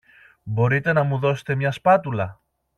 Μπορείτε να μου δώσετε μια σπάτουλα;